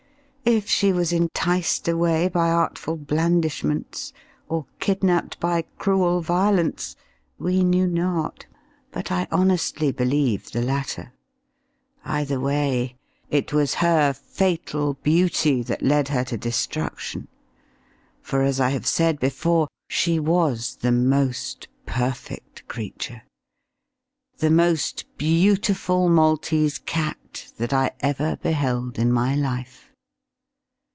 If she was enticed away by artful blandishments, or kidnapped by cruel violence, we knew not. But I honestly believe the latter. Either way, it was her fatal beauty that led her to destruction; for, as I have said before, she was the most perfect creature, the most beautiful Maltese cat, that I ever beheld in my life!